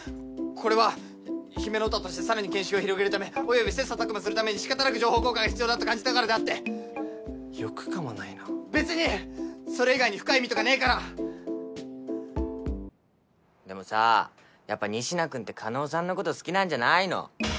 これは姫乃ヲタとしてさらに見識を広げるためおよび切磋琢磨するためにしかたなく情報交換が必要だと感じたからであってよくかまないな別にそれ以外に深い意味とかねえからでもさやっぱ仁科君って叶さんのこと好きなんじゃないの？